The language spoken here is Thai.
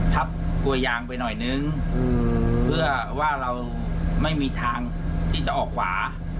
ทับกลัวยางไปหน่อยนึงเพื่อว่าเราไม่มีทางที่จะออกขวา